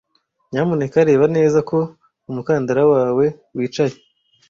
Nyamuneka reba neza ko umukandara wawe wicaye.